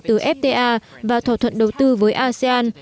từ fta và thỏa thuận đầu tư với asean